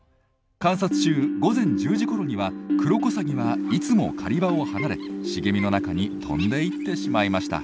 観察中午前１０時ごろにはクロコサギはいつも狩り場を離れ茂みの中に飛んでいってしまいました。